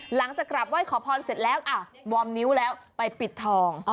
หลังจากกลับไหว้ขอพรเสร็จแล้วอ่ะวอร์มนิ้วแล้วไปปิดทอง